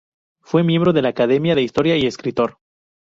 Fue miembro de la Academia de Historia y escritor.